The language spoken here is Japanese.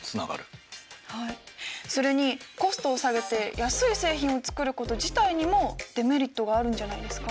それにコストを下げて安い製品を作ること自体にもデメリットがあるんじゃないですか？